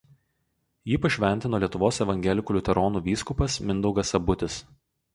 Jį pašventino Lietuvos evangelikų liuteronų vyskupas Mindaugas Sabutis.